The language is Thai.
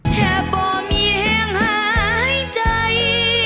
แค่บ่มีแห่งหายใจ